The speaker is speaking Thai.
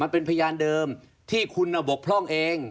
พยานเดิมที่คุณบกพร่องเอง